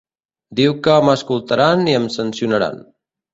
Diu que m'escoltaran i em sancionaran.